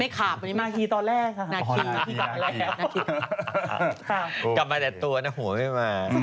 อะไรที่แผ่เค้าเรียกว่าเป็นขาบ